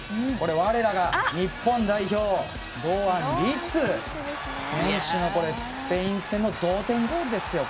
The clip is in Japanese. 我らが日本代表、堂安律選手のスペイン戦の同点ゴールですよ。